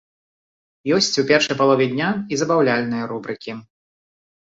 Ёсць у першай палове дня і забаўляльныя рубрыкі.